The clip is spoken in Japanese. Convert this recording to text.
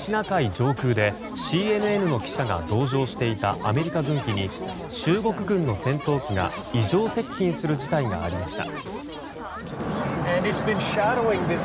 上空でＣＮＮの記者が同乗していたアメリカ軍機に中国軍の戦闘機が異常接近する事態がありました。